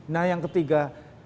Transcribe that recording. nah yang ketiga